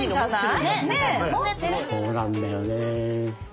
そうなんだよね。